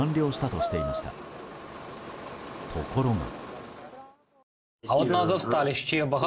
ところが。